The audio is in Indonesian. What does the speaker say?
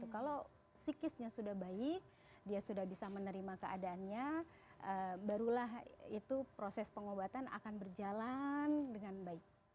kalau psikisnya sudah baik dia sudah bisa menerima keadaannya barulah itu proses pengobatan akan berjalan dengan baik